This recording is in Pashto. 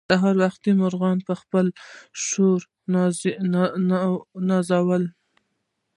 سهار وختي مرغيو په خپل شور ونازولم.